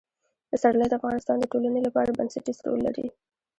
پسرلی د افغانستان د ټولنې لپاره بنسټيز رول لري.